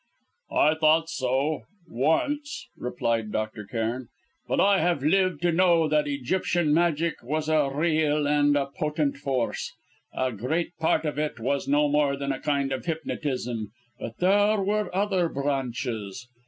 "I thought so once!" replied Dr. Cairn. "But I have lived to know that Egyptian magic was a real and a potent force. A great part of it was no more than a kind of hypnotism, but there were other branches.